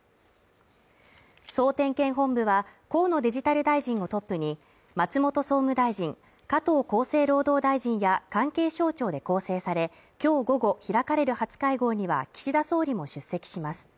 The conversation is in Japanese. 総点検本部は河野デジタル大臣をトップに、松本総務大臣加藤厚生労働大臣や関係省庁で構成され、今日午後開かれる初会合には岸田総理も出席します。